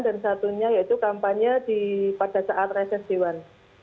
dan satunya yaitu kampanye di pada saat reses dewan